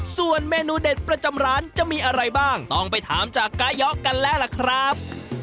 ส่วนเมนูเด็ดประจำร้านจะมีอะไรบ้างต้องไปถามจากกาย้อกันแล้วล่ะครับ